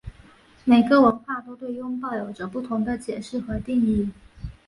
每个文化都对拥抱有着不同的解释和定义。